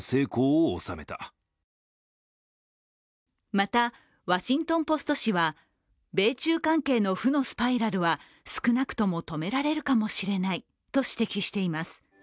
また、「ワシントン・ポスト」紙は米中関係の負のスパイラルは少なくとも止められるかもしれないと指摘しています。